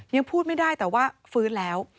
ยังพูดไม่ได้แต่ว่าฟื้นแล้ว